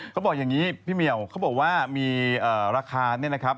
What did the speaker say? เขาบอกอย่างนี้พี่เหมียวเขาบอกว่ามีราคาเนี่ยนะครับ